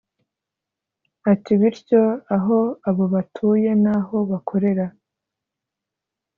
ati “Bityo aho abo batuye n’aho bakorera